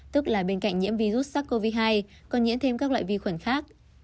tức là bên cạnh nhiễm virus sars cov hai còn nhiễm thêm các loại vi khuẩn khác